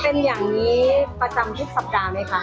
เป็นอย่างนี้ประจำทุกสัปดาห์ไหมคะ